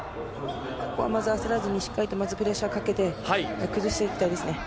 ここは焦らずにしっかりとまずプレッシャーかけて崩していきたいですね。